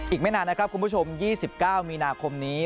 อีกไม่นานนะครับคุณผู้ชม๒๙มีนาคมนี้